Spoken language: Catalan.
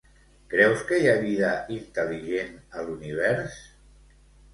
Creus que hi ha vida intel·ligent a l'Univers?